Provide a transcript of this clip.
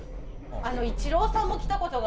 あのイチローさんも来た事がある地。